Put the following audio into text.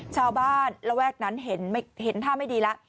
ชาวบ้านระแวกนั้นเห็นท่าไม่ดีแล้ว